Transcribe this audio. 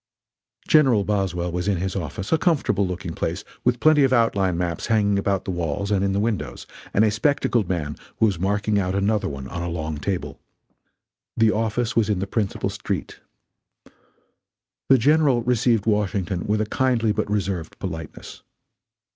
General Boswell was in his office; a comfortable looking place, with plenty of outline maps hanging about the walls and in the windows, and a spectacled man was marking out another one on a long table. The office was in the principal street. The General received Washington with a kindly but reserved politeness.